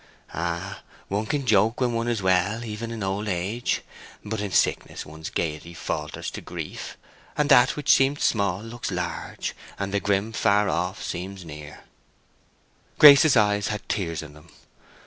"Ay, one can joke when one is well, even in old age; but in sickness one's gayety falters to grief; and that which seemed small looks large; and the grim far off seems near." Grace's eyes had tears in them.